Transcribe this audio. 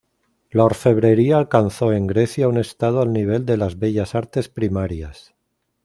La orfebrería alcanzó en Grecia un estado al nivel de las Bellas Artes primarias.